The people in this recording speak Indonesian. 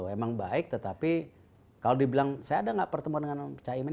emang baik tetapi kalau dibilang saya ada nggak bertemu dengan pak iman